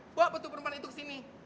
bawa betul perempuan itu kesini